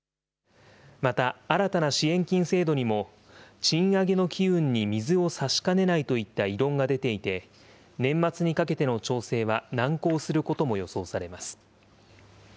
また、新たな支援金制度にも、賃上げの機運に水を差しかねないといった異論が出ていて、年末にかけての調整は難航することも予想されます。